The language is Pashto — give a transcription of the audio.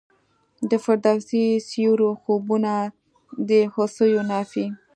د فردوسي سیورو خوبونه د هوسیو نافي